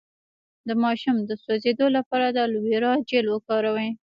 د ماشوم د سوځیدو لپاره د الوویرا جیل وکاروئ